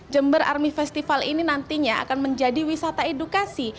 jember army festival ini nantinya akan menjadi wisata edukasi